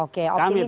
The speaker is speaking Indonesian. kami tetap semangat